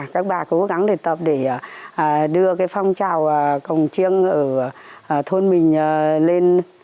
các bà cố gắng để tập để đưa cái phong trào cổng chiêng ở thôn mình lên